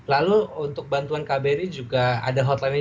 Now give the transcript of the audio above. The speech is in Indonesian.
lalu untuk bantuan kbri juga ada hotline